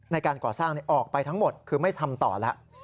ในการก่อสร้างออกไปทั้งหมดคือไม่ทำต่อแล้ว